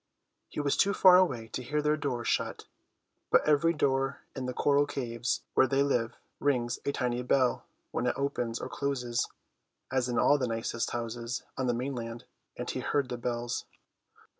He was too far away to hear their doors shut; but every door in the coral caves where they live rings a tiny bell when it opens or closes (as in all the nicest houses on the mainland), and he heard the bells.